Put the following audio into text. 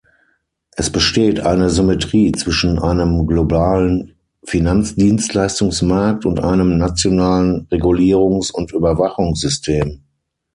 Es besteht eine Symmetrie zwischen einem globalen Finanzdienstleistungsmarkt und einem nationalen Regulierungs- und Überwachungssystem.